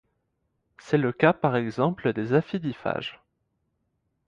C’est le cas par exemple des aphidiphages.